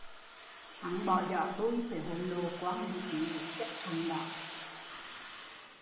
Hắn bỏ dỏ tui phải hối lộ quan mới ký giấy chấp thuận